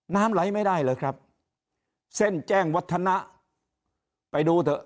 น้ำไหลไม่ได้เหรอครับเส้นแจ้งวัฒนะไปดูเถอะ